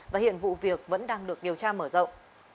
và hiện vụ việc vẫn đang được điều tra mở rộng